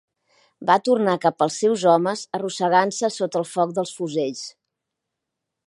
Va tornar cap als seus homes arrossegant-se sota el foc dels fusells.